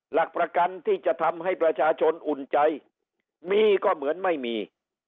หลักประกันที่จะทำให้ประชาชนอุ่นใจมีก็เหมือนไม่มี